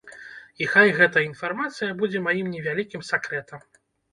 І хай гэтая інфармацыя будзе маім невялікім сакрэтам.